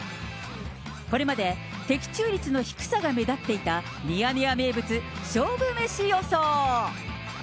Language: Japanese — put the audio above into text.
これまで的中率の低さが目立っていたミヤネ屋名物勝負メシ予想。